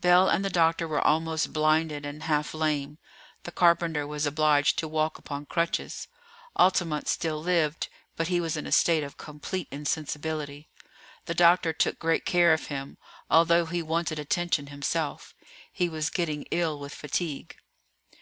Bell and the doctor were almost blinded and half lame; the carpenter was obliged to walk upon crutches. Altamont still lived, but he was in a state of complete insensibility. The doctor took great care of him, although he wanted attention himself; he was getting ill with fatigue.